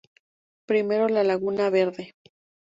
Primero la Laguna Verde.